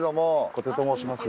小手と申します。